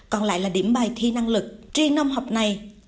còn lại là điểm bài thi năng lực tri nông học này